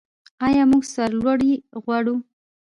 آیا موږ سرلوړي غواړو؟